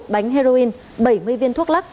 một bánh heroin bảy mươi viên thuốc lắc